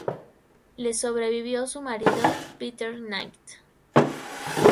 Le sobrevivió su marido, Peter Knight.